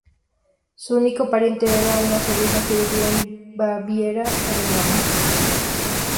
Su único pariente era una sobrina que vivía en Baviera, Alemania.